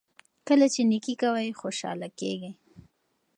کله چې نیکي کوئ خوشحاله کیږئ.